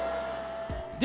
で